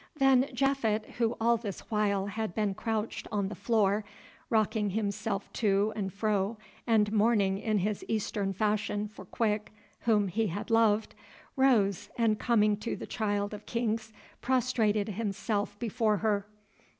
Then Japhet, who all this while had been crouched on the floor, rocking himself to and fro and mourning in his Eastern fashion for Quick, whom he had loved, rose, and, coming to the Child of Kings, prostrated himself before her.